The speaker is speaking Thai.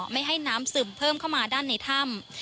ไม่ให้น้ำซึมเพิ่มเข้ามาด้านในถ้ำ